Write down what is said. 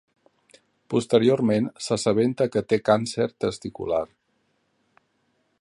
Posteriorment s'assabenta que té càncer testicular.